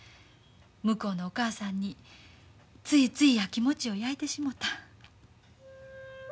向こうのお母さんについついヤキモチをやいてしもた。